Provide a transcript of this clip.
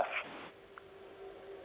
kita hanya untuk isolasi wilayah saja